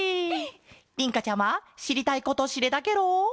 りんかちゃましりたいことしれたケロ？